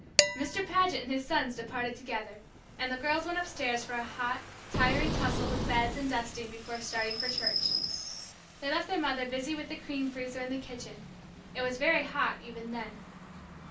Mr. Paget and his sons departed together, and the girls went upstairs for a hot, tiring tussle with beds and dusting before starting for church. They left their mother busy with the cream freezer in the kitchen. It was very hot even then.